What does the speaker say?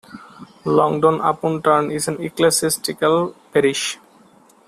Longdon-Upon-Tern is an ecclesiastical parish.